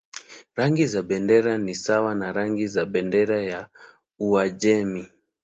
Rangi za bendera ni sawa na rangi za bendera ya Uajemi.